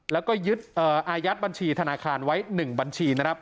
แล้วก็ยึดอายัดบัญชีธนาคารไว้๑บัญชีนะครับ